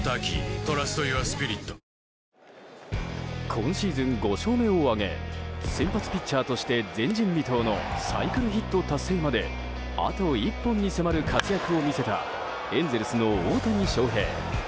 今シーズン５勝目を挙げ先発ピッチャーとして前人未到のサイクルヒット達成まであと１本に迫る活躍を見せたエンゼルスの大谷翔平。